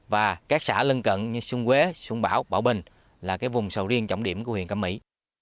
và các xã lân cận như xuân quế xung bảo bảo bình là vùng sầu riêng trọng điểm của huyện cẩm mỹ